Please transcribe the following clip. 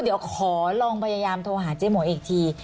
เดี๋ยวขอลองพยายามโทรหาเจ๊หมวยอีกที